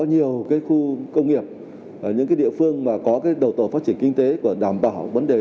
nhiều cái khu công nghiệp những cái địa phương mà có cái đầu tổ phát triển kinh tế và đảm bảo vấn đề